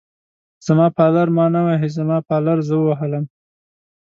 زما پالر ما نه وهي، زما پالر زه ووهلم.